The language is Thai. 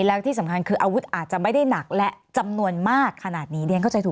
และที่สำคัญคืออาวุธอาจจะไม่ได้หนักและจำนวนมากขนาดนี้